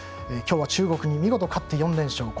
今日は中国に見事勝って４連勝。